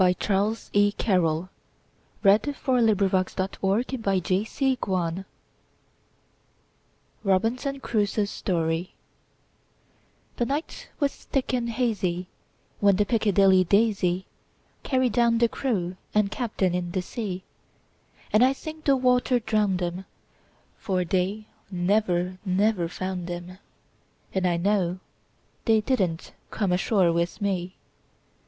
Modern American Poetry. 1919. Charles E. Carryl1841–1920 Robinson Crusoe's Story THE NIGHT was thick and hazyWhen the "Piccadilly Daisy"Carried down the crew and captain in the sea; And I think the water drowned 'em; For they never, never found 'em, And I know they didn't come ashore with me.